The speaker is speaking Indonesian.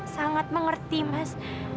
sangat mengerti mas